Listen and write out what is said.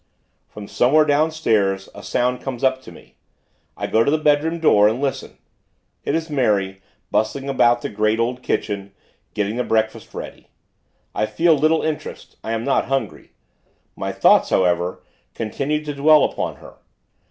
From somewhere down stairs, a sound comes up to me. I go to the bedroom door, and listen. It is Mary, bustling about the great, old kitchen, getting the breakfast ready. I feel little interest. I am not hungry. My thoughts, however; continue to dwell upon her.